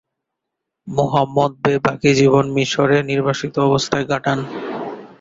Muhammad Bey বাকি জীবন মিশরে নির্বাসিত অবস্থায় কাটান।